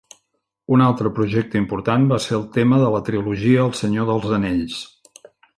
Un altre projecte important va ser el tema de la trilogia "El Senyor dels Anells".